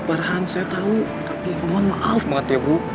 ustadz farhan saya tau tapi mohon maaf banget ya bu